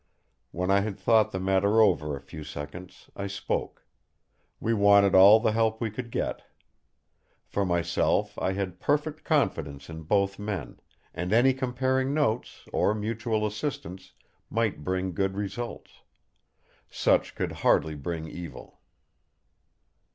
When I had thought the matter over a few seconds I spoke. We wanted all the help we could get. For myself, I had perfect confidence in both men; and any comparing notes, or mutual assistance, might bring good results. Such could hardly bring evil.